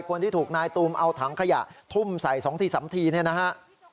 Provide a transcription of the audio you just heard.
คนที่ถูกนายตูมเอาถังขยะทุ่มใส่๒ที๓ทีเนี่ยนะฮะ